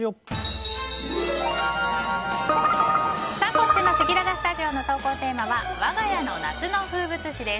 今週のせきららスタジオの投稿テーマはわが家の夏の風物詩です。